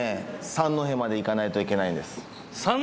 三戸まで行かないといけないんです